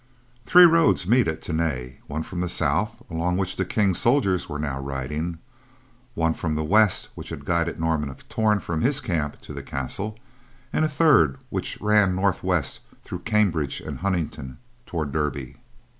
Three roads meet at Tany; one from the south along which the King's soldiers were now riding; one from the west which had guided Norman of Torn from his camp to the castle; and a third which ran northwest through Cambridge and Huntingdon toward Derby.